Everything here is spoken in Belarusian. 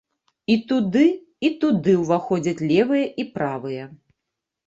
І туды, і туды ўваходзяць левыя і правыя.